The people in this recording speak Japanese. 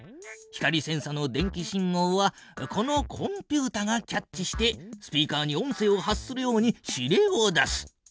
光センサの電気信号はこのコンピュータがキャッチしてスピーカーに音声を発するように指令を出す。